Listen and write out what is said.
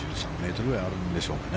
１３ｍくらいあるんでしょうか。